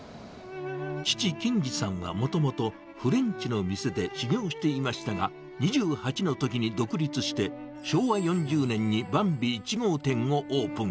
父、錦二さんはもともとフレンチの店で修業していましたが、２８のときに独立して、昭和４０年にバンビ１号店をオープン。